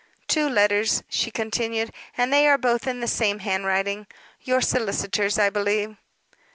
"Two letters," she continued, "and they are both in the same handwriting your solicitors', I believe."